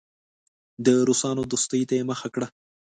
د روسانو دوستۍ ته یې مخه کړه.